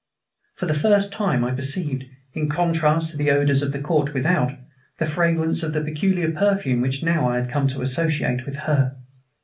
For the first time I perceived, in contrast to the odors of the court without, the fragrance of the peculiar perfume which now I had come to associate with her.